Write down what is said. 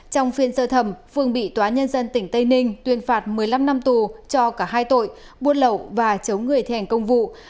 trong phiên sơ thẩm phương bị tòa nhân dân tỉnh tây ninh tuyên phạt một mươi năm năm tù cho cả hai tội buôn lậu và chống người thi hành công vụ